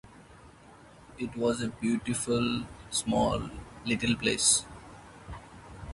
It was a beautiful little place.